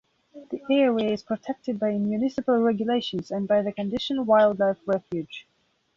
The area is protected by municipal regulations and by the condition Wildlife Refuge.